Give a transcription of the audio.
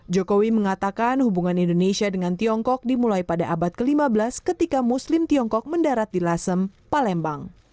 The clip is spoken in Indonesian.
jokowi mengatakan hubungan indonesia dengan tiongkok dimulai pada abad ke lima belas ketika muslim tiongkok mendarat di lasem palembang